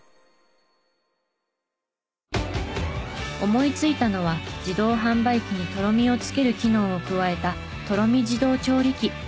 思いついたのは自動販売機にとろみをつける機能を加えたとろみ自動調理機。